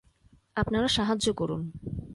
আপনারা সাহায্য করুন।